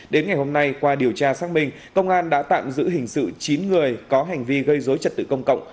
đến ngày hôm nay qua điều tra xác minh công an đã tạm giữ hình sự chín người có hành vi gây dối trật tự công cộng